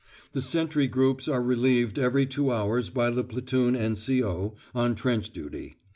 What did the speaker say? The sentry groups are relieved every two hours by the platoon N.C.O. on trench duty.